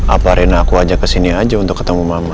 apa rena aku ajak kesini aja untuk ketemu mama